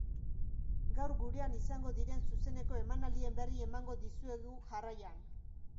Gaur gurean izango diren zuzeneko emanaldien berri emango dizuegu, jarraian.